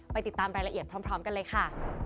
ติดตามรายละเอียดพร้อมกันเลยค่ะ